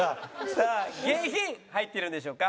さあ「下品」入っているんでしょうか？